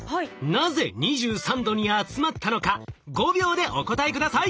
なぜ２３℃に集まったのか５秒でお答え下さい。